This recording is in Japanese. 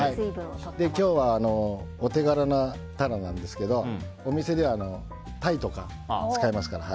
今日はお手軽なタラなんですけどお店ではタイとか使いますから。